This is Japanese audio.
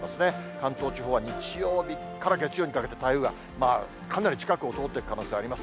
関東地方は日曜日から月曜にかけて、台風がかなり近くを通っていく可能性があります。